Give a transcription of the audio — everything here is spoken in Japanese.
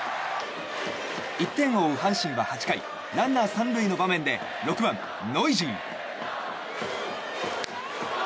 １点を追う阪神は８回ランナー３塁の場面で６番、ノイジー。